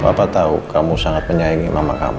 papa tau kamu sangat menyayangi mama kamu